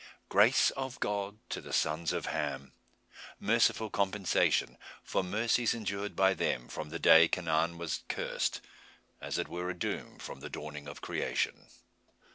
Grace of God to the sons of Ham merciful compensation for mercies endured by them from the day Canaan was cursed, as it were a doom from the dawning of creation!